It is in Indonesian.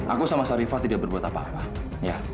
aku sama sarifah tidak berbuat apa apa ya